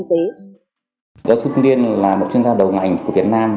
giáo sư hình thương liên là một chuyên gia đầu ngành của việt nam